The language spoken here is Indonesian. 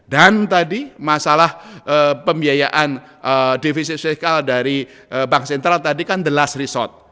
dan tadi masalah pembiayaan divisif stikal dari bank sentral tadi kan the last resort